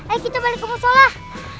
ayo kita balik ke musolah